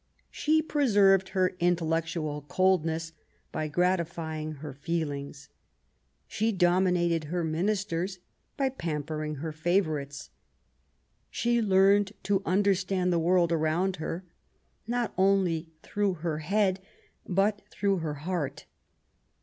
She preserved her intellectual coldness by gratifying her feelings. She dominated her ministers by pampering her favourites. She learned to understand the world around her, not only through her head, but through her heart.